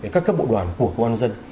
các các bộ đoàn của công an dân